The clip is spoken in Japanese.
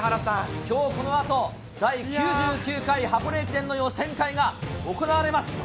きょう、このあと、第９９回箱根駅伝の予選会が行われます。